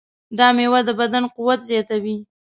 دا مېوه د بدن قوت زیاتوي.